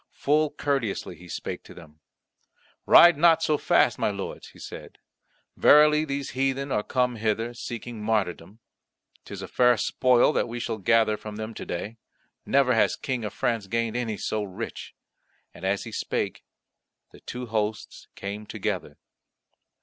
Full courteously he spake to them: "Ride not so fast, my lords," he said; "verily these heathen are come hither, seeking martyrdom. 'Tis a fair spoil that we shall gather from them to day. Never has King of France gained any so rich." And as he spake, the two hosts came together.